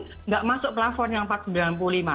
tidak masuk platform yang rp empat sembilan puluh lima